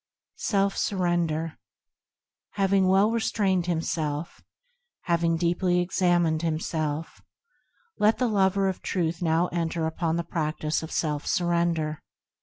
3. Self Surrender Having well restrained himself, Having deeply examined himself, Let the lover of Truth now enter upon the practice of Self Surrender.